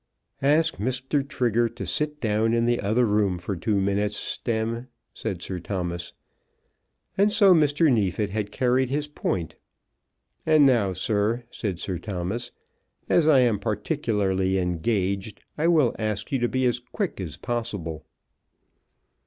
"Ask Mr. Trigger to sit down in the other room for two minutes, Stemm," said Sir Thomas. And so Mr. Neefit had carried his point. "And now, sir," said Sir Thomas, "as I am particularly engaged, I will ask you to be as quick as possible."